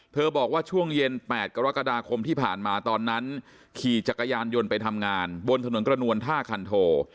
บอกว่าช่วงเย็น๘กรกฎาคมที่ผ่านมาตอนนั้นขี่จักรยานยนต์ไปทำงานบนถนนกระนวลท่าคันโท